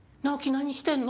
何してんの？